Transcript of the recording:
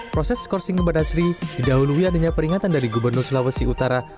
proses skorsing kepada sri didahului adanya peringatan dari gubernur sulawesi utara